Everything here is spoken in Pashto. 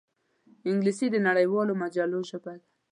انګلیسي د نړیوالو مجلو ژبه ده